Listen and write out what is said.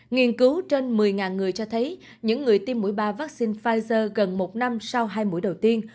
nghiên cứu trên một mươi người cho thấy những người tiêm mũi ba vaccine pfizer gần một năm sau hai mũi đầu tiên